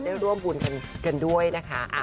ได้ร่วมบุญกันด้วยนะคะ